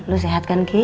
lu sehat kan kiki